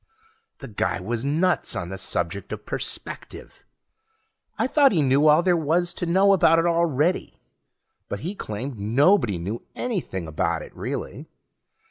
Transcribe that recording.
The guy was nuts on the subject of perspective. I thought he knew all there was to know about it already, but he claimed nobody knew anything about it, really.